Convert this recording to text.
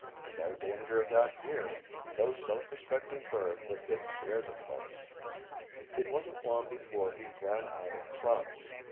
No danger of that here. No self respecting bird would get near the place. It wasn't long before he ran out of crumbs.